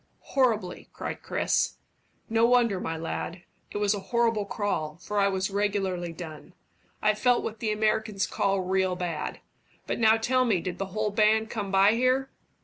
"Horribly," cried Chris. "No wonder, my lad. It was a horrible crawl, for I was regularly done. I felt what the Amurricans call real bad. But now tell me, did the whole band come by here?"